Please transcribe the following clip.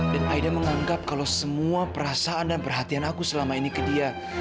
dan aida menganggap kalau semua perasaan dan perhatian aku selama ini ke dia